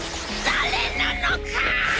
誰なのか！